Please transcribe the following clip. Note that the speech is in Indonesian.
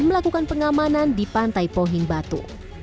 melakukan pengamanan di pantai pohing batu